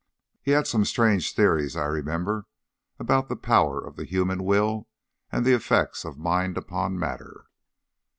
He had some strange theories, I remember, about the power of the human will and the effects of mind upon matter.